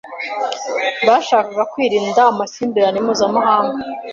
Bashakaga kwirinda amakimbirane mpuzamahanga.